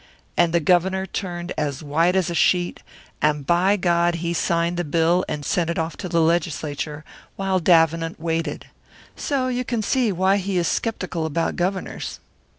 And the Governor turned as white as a sheet, and, by God, he signed the bill and sent it off to the Legislature while Davenant waited! So you can see why he is sceptical about governors."